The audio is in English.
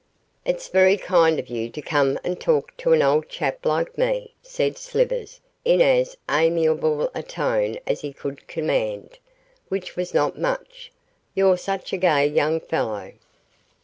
'It's very kind of you to come and talk to an old chap like me,' said Slivers, in as amiable a tone as he could command, which was not much. 'You're such a gay young fellow!